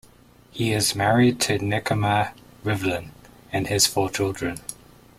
He is married to Nechama Rivlin, and has four children.